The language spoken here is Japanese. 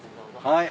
はい。